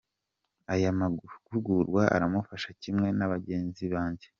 Aya mahugurwa aramfasha kimwe na bagenzi banjye.